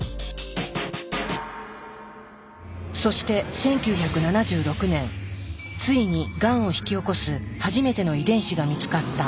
そして１９７６年ついにがんを引き起こす初めての遺伝子が見つかった。